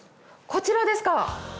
こちらですか。